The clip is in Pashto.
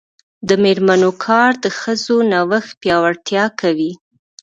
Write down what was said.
د میرمنو کار د ښځو نوښت پیاوړتیا کوي.